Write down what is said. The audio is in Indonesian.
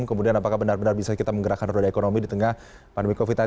kemudian apakah benar benar bisa kita menggerakkan roda ekonomi di tengah pandemi covid sembilan belas